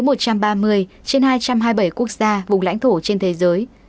tổng số ca tử vong trên hai trăm ba mươi trên hai trăm hai mươi bảy quốc gia vùng lãnh thổ trên thế giới